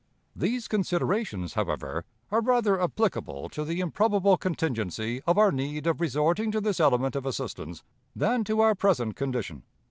These considerations, however, are rather applicable to the improbable contingency of our need of resorting to this element of assistance than to our present condition.